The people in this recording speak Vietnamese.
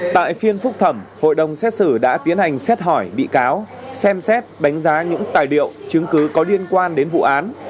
tại phiên phúc thẩm hội đồng xét xử đã tiến hành xét hỏi bị cáo xem xét đánh giá những tài liệu chứng cứ có liên quan đến vụ án